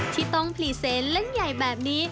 ที่ต้องพรีเซนเล่นใหญ่แบบนี้